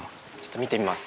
見てみます。